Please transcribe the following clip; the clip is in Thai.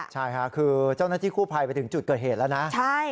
ใช่ค่ะคือเจ้าหน้าที่กู้ภัยไปถึงจุดเกิดเหตุแล้วนะ